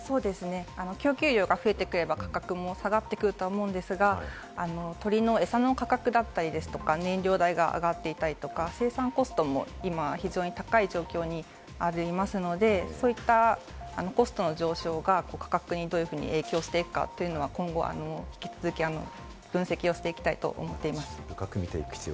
供給量が増えてくれば価格も下がってくるとは思うんですが、鶏のエサの価格だったりですとか燃料代が上がっていたりとか、生産コストも今、高い状況にありますので、そういったコストの上昇が価格にどういうふうに影響していくかというのは、今後、引き続き分析をしていきたいと思っています。